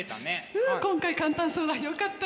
うん今回簡単そうだ。よかったね。